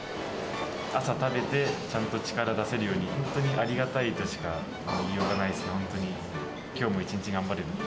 朝食べて、ちゃんと力出せるように、本当にありがたいとしか言いようがないです、本当に。